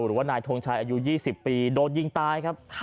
หรือว่านายทงชัยอายุ๒๐ปีโดนยิงตายครับ